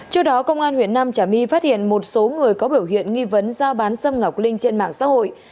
trước đó công an huyện nam trà my phát hiện một số người có biểu hiện nghi vấn giao bán sâm ngọc linh trên mạng xã hội